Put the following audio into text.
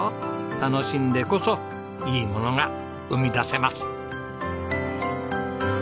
楽しんでこそいいものが生み出せます。